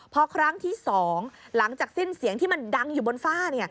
พอครั้งที่๒หลังจากสิ้นเสียงที่มันดังอยู่บนฝ้า